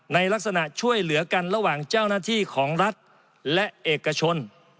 ในลักษณะช่วยเหลือกันระหว่างเจ้าหน้าที่ของรัฐและเอกชน